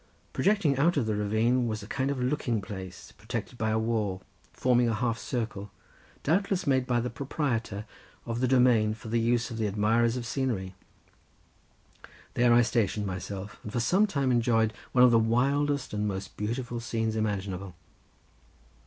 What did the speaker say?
Projecting out over the ravine was a kind of looking place, protected by a wall, forming a half circle, doubtless made by the proprietor of the domain for the use of the admirers of scenery. There I stationed myself, and for some time enjoyed one of the wildest and most beautiful scenes imaginable.